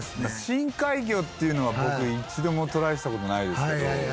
深海魚っていうのは僕一度もトライした事ないですけど。